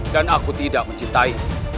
dan aku tidak mencintaimu